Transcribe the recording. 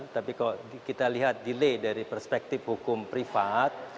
tapi kalau kita lihat delay dari perspektif hukum privat